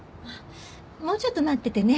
もうちょっと待っててね。